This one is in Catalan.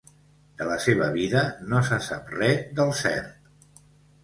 De la seva vida no se sap res del cert.